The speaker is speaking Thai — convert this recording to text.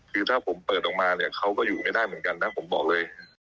คือถ้าผมเปิดออกมาเนี่ยเขาก็อยู่ไม่ได้เหมือนกันนะผมบอกเลย